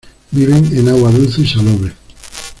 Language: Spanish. Viven en agua dulce y salobre.